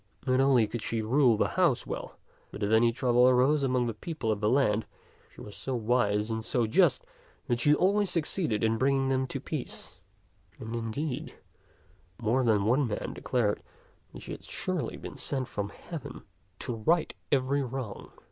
Not only could she rule her house well, but if any trouble arose among the people of the land, she was so wise and so just that she always succeeded in bringing them to peace; and, indeed, more than one man declared that she had surely been sent from heaven to right every wrong.